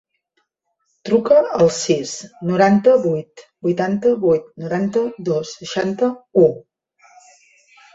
Truca al sis, noranta-vuit, vuitanta-vuit, noranta-dos, seixanta-u.